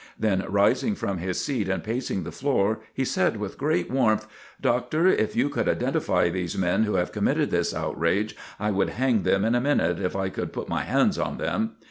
Then rising from his seat and pacing the floor, he said with great warmth: "Doctor, if you could identify these men who have committed this outrage, I would hang them in a minute if I could put my hands on them."